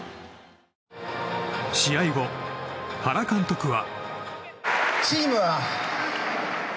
試合後、原監督は。